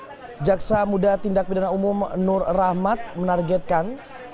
dan memang jaksa muda tindak bidana umum nur rahmat menargetkan